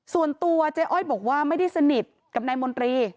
ส่วนตัวเจ๊อ้อยบอกว่าไม่ได้สนิทกับนายมนตรี